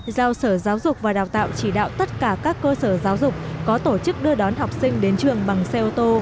giao sở giáo dục và đào tạo chỉ đạo tất cả các cơ sở giáo dục có tổ chức đưa đón học sinh đến trường bằng xe ô tô